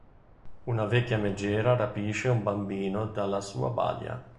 Una vecchia megera rapisce un bambino dalla sua balia.